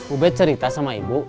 ubed cerita sama ibu